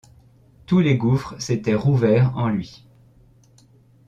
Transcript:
Tous les gouffres s’étaient rouverts en lui.